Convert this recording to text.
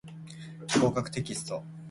合格テキスト